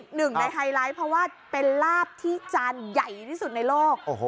หนึ่งในไฮไลท์เพราะว่าเป็นลาบที่จานใหญ่ที่สุดในโลก